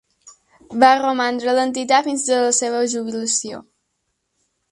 Va romandre a l'entitat fins a la seva jubilació.